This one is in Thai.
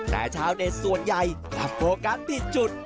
แต่ชาวเน็ตส่วนใหญ่รับโปรแกรมที่จุด